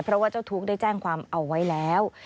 เพราะว่าเจ้าทุกข์ได้แจ้งความเอาไว้แล้ว